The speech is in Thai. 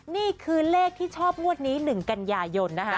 นี่คือเลขที่ชอบงวดนี้หนึ่งกันยายน